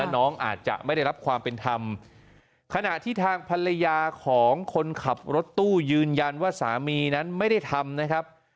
น้องอาจจะไม่ได้รับความเป็นธรรมขณะที่ทางภรรยาของคนขับรถตู้ยืนยันว่าสามีนั้นไม่ได้ทำนะครับ